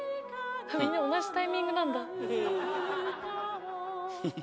みんな同じタイミングなんだ。